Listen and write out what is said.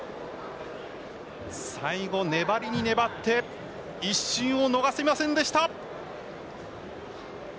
最後、粘りに粘って一瞬を逃しませんでした。